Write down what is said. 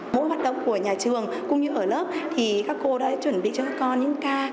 mỗi hoạt động của nhà trường cũng như ở lớp thì các cô đã chuẩn bị cho các con những ca